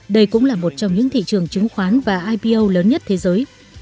đây cũng là một trong những thị trường chứng khoán và ipo lớn nhất thế giới